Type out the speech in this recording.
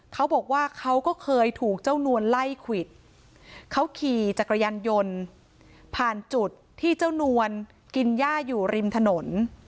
เขาก็เคยถูกเจ้านวลไล่ควิดเขาขี่จักรยานยนต์ผ่านจุดที่เจ้านวลกินย่าอยู่ริมถนน